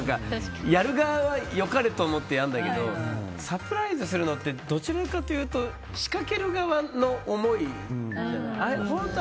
やる側はよかれと思ってやるんだけどサプライズするのってどちらかというと仕掛ける側の思いだから。